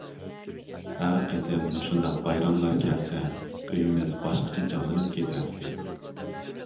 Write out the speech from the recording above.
ھەر قېتىم مۇشۇنداق بايراملار كەلسە ئۆيىمىز باشقىچە جانلىنىپ كېتەتتى.